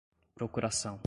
procuração